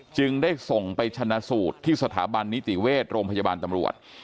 จึงได้ส่งไปชนะสูตรที่สถาบันนิติเวชโรงพยาบาลตำรวจ